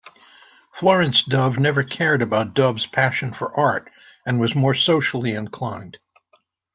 Florence Dove never cared about Dove's passion for art, and was more socially inclined.